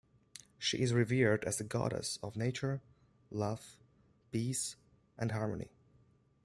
She is revered as a goddess of nature, love, peace, and harmony.